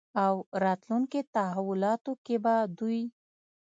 او راتلونکې تحولاتو کې به دوی